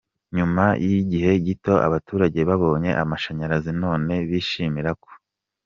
Nyuma y’igihe gito, abaturage babonye amashanyarazi nonene bishimira ko .